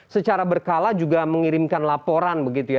secara berkala juga mengirimkan laporan begitu ya